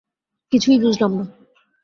কিছুই বুঝলাম না।